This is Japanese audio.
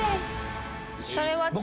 それは月？